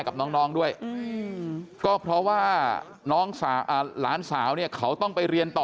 กับน้องด้วยก็เพราะว่าน้องหลานสาวเนี่ยเขาต้องไปเรียนต่อ